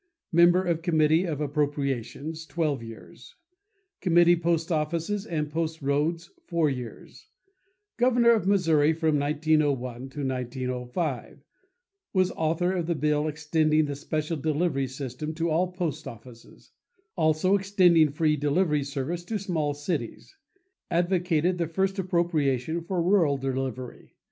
Member of Committee of Appropriations, twelve years; Committee Post Offices and Post Roads, four years; Governor of Missouri from 1901 to 1905; was author of the bill extending the special delivery system to all post offices; also extending free delivery service to small cities; advocated the first appropriation for rural delivery.